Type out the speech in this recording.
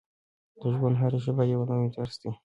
د ژوند هره شېبه یو نوی درس دی.